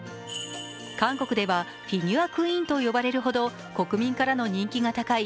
韓国ではフィギュアクイーンと呼ばれるほど国民からの人気が高い